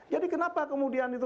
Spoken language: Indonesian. jadi kenapa kemudian itu